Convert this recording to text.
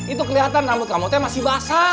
itu keliatan rambut kamu masih basah